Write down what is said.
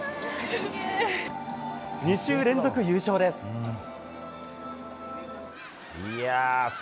２週連続優勝です。